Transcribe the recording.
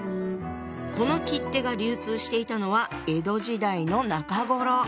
この切手が流通していたのは江戸時代の中頃。